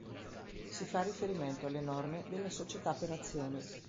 Si fa riferimento alle norme della società per azioni.